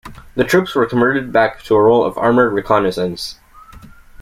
The troops were converted back to a role of armoured reconnaissance.